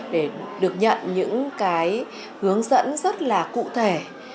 để được nhận những cái hướng dẫn rất là cụ thể